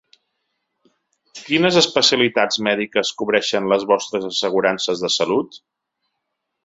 Quines especialitats mèdiques cobreixen les vostres assegurances de salut?